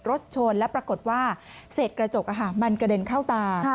รถชนและปรากฏว่าเศษกระจกมันกระเด็นเข้าตา